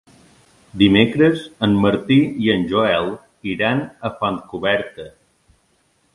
Dimecres en Martí i en Joel iran a Fontcoberta.